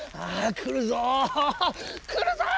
くるぞっ！